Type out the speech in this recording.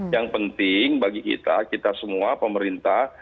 yang penting bagi kita kita semua pemerintah